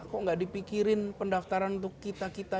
kok nggak dipikirin pendaftaran untuk kita kita